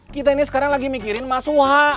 kita ini sekarang lagi mikirin mas wah